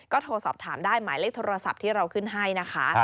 ก็โทรสอบถามได้หมายเลขโทรศัพท์ที่เราขึ้นให้นะคะ